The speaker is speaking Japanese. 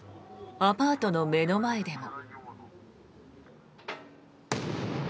アパートの目の前でも。